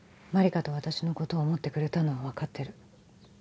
万理華と私のことを思ってくれたのは分かってる